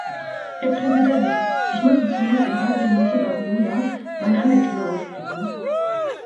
Herr Präsident! Ich möchte zunächst dem Häuptling Moshood Abiola meine Anerkennung aussprechen.